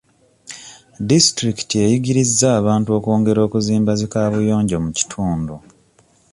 Disitulikiti eyigirizza abantu okwongera kuzimba zi kaabuyonjo mu kitundu.